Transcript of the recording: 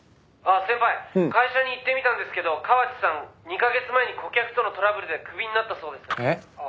「あっ先輩会社に行ってみたんですけど河内さん２カ月前に顧客とのトラブルでクビになったそうです」えっ？